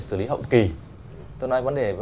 xử lý hậu kỳ tôi nói vấn đề